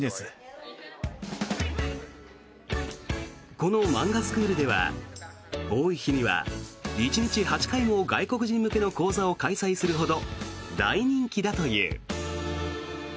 この漫画スクールでは多い日には１日８回も外国人向けの講座を開催するほど大人気だという。